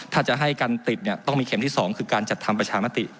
ถ้าจะให้การติดเนี่ยต้องมีเข็มที่๒คือการจัดทำประชามติ